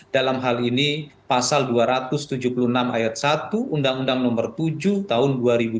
dalam hal ini pasal dua ratus tujuh puluh enam ayat satu undang undang nomor tujuh tahun dua ribu dua puluh